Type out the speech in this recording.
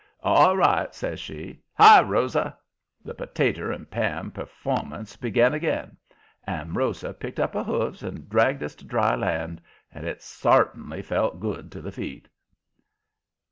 "ALL right," says she. "Hi, Rosa!" The potater and pan performance begun again, and Rosa picked up her hoofs and dragged us to dry land. And it sartinly felt good to the feet.